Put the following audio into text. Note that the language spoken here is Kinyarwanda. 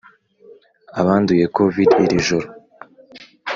Abanduye covid irijoro